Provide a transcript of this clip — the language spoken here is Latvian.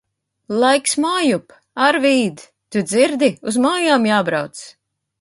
Laiks mājup! Arvīd! Tu dzirdi, uz mājām jābrauc!